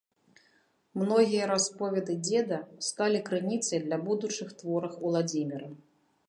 Многія расповеды дзеда сталі крыніцай для будучых твораў Уладзіміра